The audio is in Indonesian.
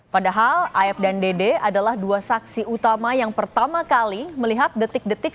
padahal aep dan dede adalah dua saksi utama yang pertama kali melihat detik detik